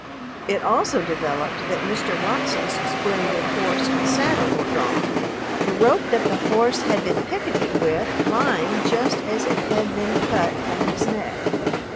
It also developed that Mr. Watson's splendid horse and saddle were gone, the rope that the horse had been picketed with lying just as it had been cut from his neck.